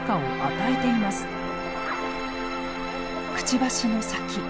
くちばしの先。